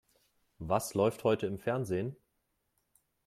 Was läuft heute im Fernsehen?